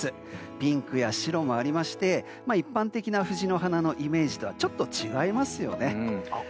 ピンクや白もありまして一般的な藤の花のイメージとはちょっと違いますよね。